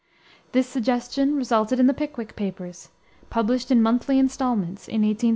This suggestion resulted in the Pickwick Papers, published in monthly installments, in 1836 1837.